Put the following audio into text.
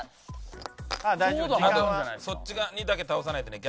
そっち側にだけ倒さないでね。